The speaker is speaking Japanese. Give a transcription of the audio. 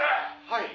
「はい」